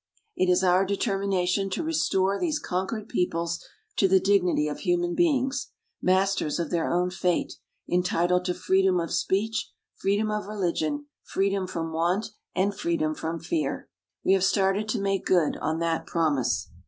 It is our determination to restore these conquered peoples to the dignity of human beings, masters of their own fate, entitled to freedom of speech, freedom of religion, freedom from want, and freedom from fear. We have started to make good on that promise.